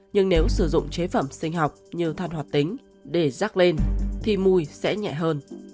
nhưng nếu sử dụng chế phẩm sinh học như than hoạt tính để rắc lên thì mùi sẽ nhẹ hơn